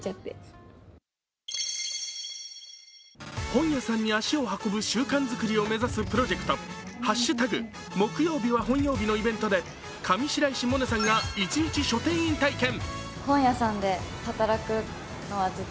本屋さんに足を運ぶ習慣作りを目指すプロジェクト、「＃木曜日は本曜日」のイベントで上白石萌音さんが、一日書店員体験。